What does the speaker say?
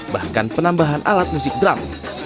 bahkan penambahan alat musik drum